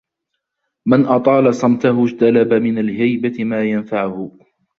مَنْ أَطَالَ صَمْتَهُ اجْتَلَبَ مِنْ الْهَيْبَةِ مَا يَنْفَعُهُ